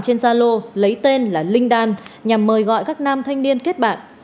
trên zalo lấy tên là linh đan nhằm mời gọi các nam thanh niên kết bạn